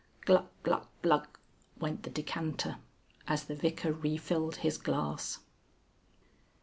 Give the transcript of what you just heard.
"Gluck, gluck, gluck," went the decanter as the Vicar refilled his glass.